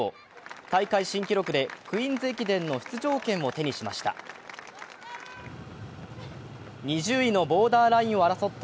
大会新記録でクイーンズ駅伝の出場権を手にしました。